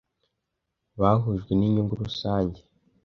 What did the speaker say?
Bahujwe ninyungu rusange.